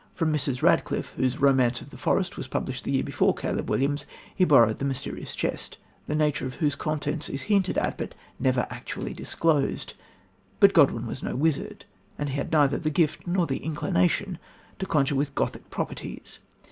From Mrs. Radcliffe, whose Romance of the Forest was published the year before Caleb Williams, he borrowed the mysterious chest, the nature of whose contents is hinted at but never actually disclosed; but Godwin was no wizard, and had neither the gift nor the inclination to conjure with Gothic properties.